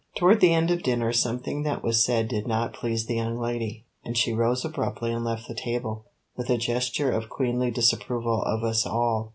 Toward the end of dinner something that was said did not please the young lady, and she rose abruptly and left the table, with a gesture of queenly disapproval of us all.